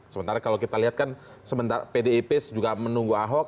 sementara kalau kita lihat kan sementara pdip juga menunggu ahok